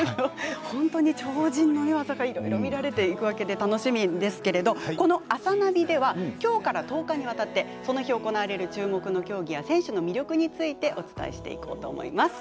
超人の技がいろいろ見られるわけで楽しみですがこの「あさナビ」ではきょうから１０日にわたってその日行われる競技や選手の魅力についてお伝えしていこうと思います。